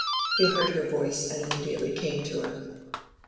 He heard her voice, and immediately came to her.